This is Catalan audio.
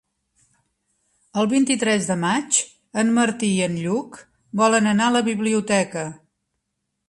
El vint-i-tres de maig en Martí i en Lluc volen anar a la biblioteca.